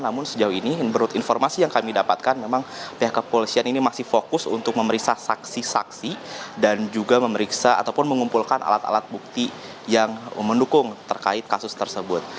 namun sejauh ini menurut informasi yang kami dapatkan memang pihak kepolisian ini masih fokus untuk memeriksa saksi saksi dan juga memeriksa ataupun mengumpulkan alat alat bukti yang mendukung terkait kasus tersebut